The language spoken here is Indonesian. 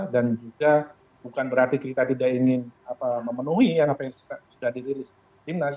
dan juga bukan berarti kita tidak ingin memenuhi yang sudah dirilis timnas